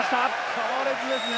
強烈ですね。